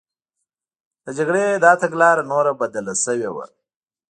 د جګړې دا تګلاره نوره بدله شوې وه